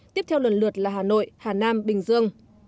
tiếp theo lần lượt là hà nội hà nam bình dương